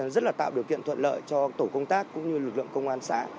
rất là tạo điều kiện thuận lợi cho tổ công tác cũng như lực lượng công an xã